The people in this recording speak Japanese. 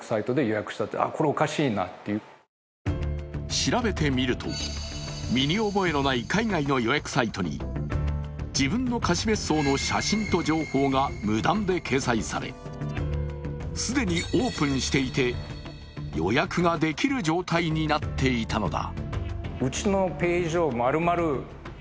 調べてみると、身に覚えのない海外の予約サイトに自分の貸別荘の写真と情報が無断で掲載され既にオープンしていて、予約ができる状態になっていたのだ。